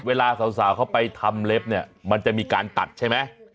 เวลาสาวเขาไปทำเล็บเนี่ยมันจะมีการตัดใช่ไหม